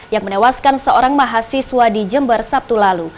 yang menewaskan seorang mahasiswa di jember sabtu lalu